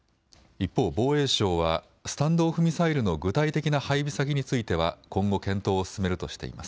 一方、防衛省はスタンド・オフ・ミサイルの具体的な配備先については今後、検討を進めるとしています。